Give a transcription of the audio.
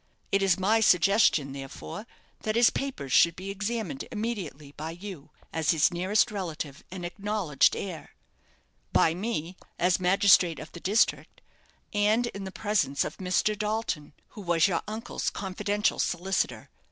It is my suggestion, therefore, that his papers should be examined immediately by you, as his nearest relative and acknowledged heir by me, as magistrate of the district, and in the presence of Mr. Dalton, who was your uncle's confidential solicitor.